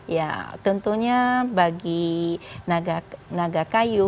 ya tentunya bagi naga kayu